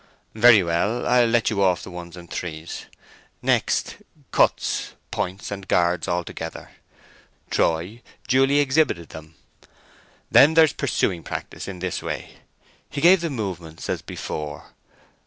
"Very well. I'll let you off the ones and threes. Next, cuts, points and guards altogether." Troy duly exhibited them. "Then there's pursuing practice, in this way." He gave the movements as before.